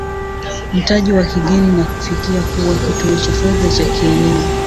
mtaji wa kigeni na kufikia kuwa kituo cha fedha cha kieneo